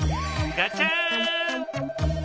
ガチャ！